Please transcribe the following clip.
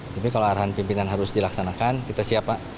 tapi kalau arahan pimpinan harus dilaksanakan kita siapkan